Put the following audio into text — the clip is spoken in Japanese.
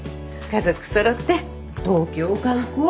家族そろって東京観光。